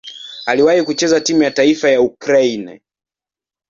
Aliwahi kucheza timu ya taifa ya Ukraine.